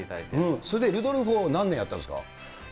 それでルドルフを何年やったんですか？